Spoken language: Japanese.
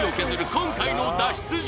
今回の脱出島